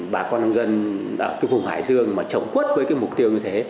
bà con nông dân ở cái vùng hải dương mà trồng quất với cái mục tiêu như thế